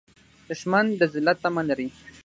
دښمن د ذلت تمه لري